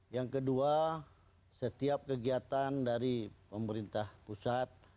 yang kedua setiap kegiatan dari pemerintah pusat